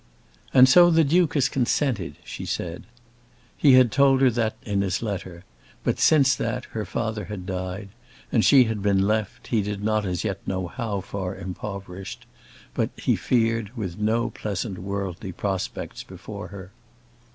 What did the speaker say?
"And so the Duke has consented," she said. He had told her that in his letter, but, since that, her father had died, and she had been left, he did not as yet know how far impoverished, but, he feared, with no pleasant worldly prospects before her.